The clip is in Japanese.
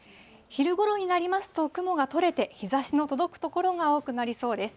昼ごろになりますと、雲が取れて、日ざしの届く所が多くなりそうです。